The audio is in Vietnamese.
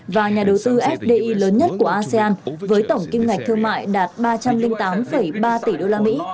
và nhà đầu tư fdi lớn nhất của asean với tổng kim ngạch thương mại đạt ba trăm linh tám ba tỷ đô la mỹ